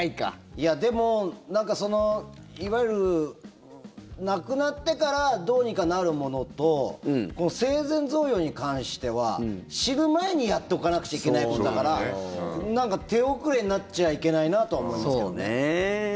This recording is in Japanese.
いや、でもいわゆる亡くなってからどうにかなるものと生前贈与に関しては死ぬ前にやっておかなくちゃいけないことだから手遅れになっちゃいけないなとは思いますけどね。